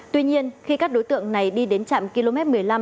tuy nhiên khi các đối tượng này đi đến trạm km một mươi năm